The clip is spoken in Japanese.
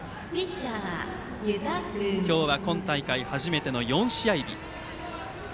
今日は今大会初めての４試合日。